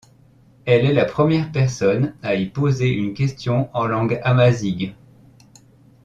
Elle est la première personne à y poser une question en langue amazigh.